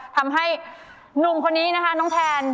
ทำให้หนุ่มคนนี้นะคะน้องแทน